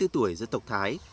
ba mươi bốn tuổi dân tộc thái